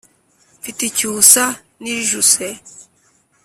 Mfite icyusa nijuse.